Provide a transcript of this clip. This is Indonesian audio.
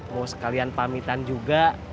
mau sekalian pamitan juga